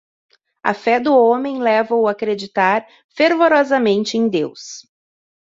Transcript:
a fé do homem leva-o a acreditar fervorosamente em deus